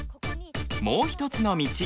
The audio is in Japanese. もう一つの道。